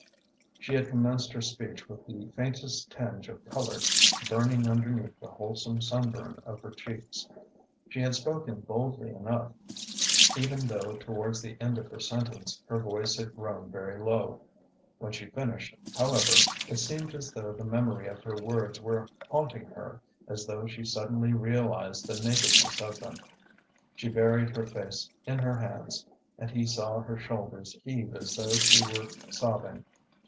She had commenced her speech with the faintest tinge of colour burning underneath the wholesome sunburn of her cheeks. She had spoken boldly enough, even though towards the end of her sentence her voice had grown very low. When she had finished, however, it seemed as though the memory of her words were haunting her, as though she suddenly realised the nakedness of them. She buried her face in her hands, and he saw her shoulders heave as though she were sobbing.